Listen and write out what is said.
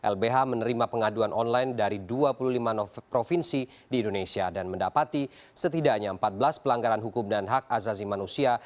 lbh menerima pengaduan online dari dua puluh lima provinsi di indonesia dan mendapati setidaknya empat belas pelanggaran hukum dan hak azazi manusia